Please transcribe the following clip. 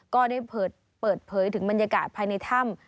ก็ได้เปิดเผยถึงบรรยากาศภายในถ้ำ